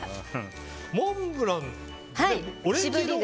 モンブラン。